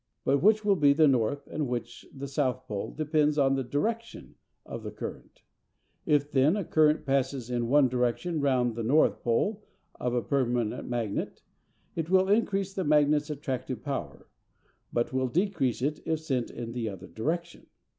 But which will be the north and which the south pole depends on the direction of the current. If, then, a current passes in one direction round the north pole of a permanent magnet it will increase the magnet's attractive power, but will decrease it if sent in the other direction.